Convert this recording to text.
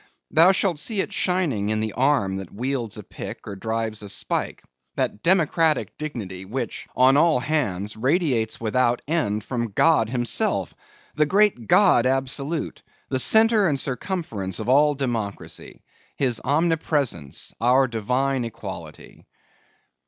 Thou shalt see it shining in the arm that wields a pick or drives a spike; that democratic dignity which, on all hands, radiates without end from God; Himself! The great God absolute! The centre and circumference of all democracy! His omnipresence, our divine equality!